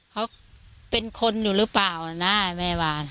เขาเป็นคนอยู่หรือเปล่านะแม่บ้าน